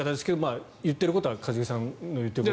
言っていることは一茂さんの言っているように。